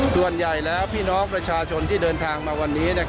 ส่วนใหญ่แล้วพี่น้องประชาชนที่เดินทางมาวันนี้